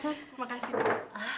terima kasih bu